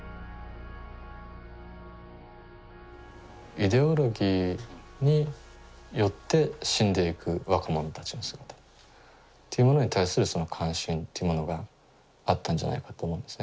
イデオロギーによって死んでいく若者たちの姿っていうものに対するその関心っていうものがあったんじゃないかと思うんですね。